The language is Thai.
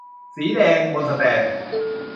สีแดง บนแสตนด์